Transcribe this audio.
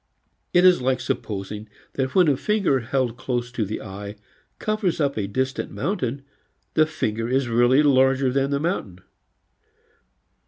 It is like supposing that when a finger held close to the eye covers up a distant mountain the finger is really larger than the mountain.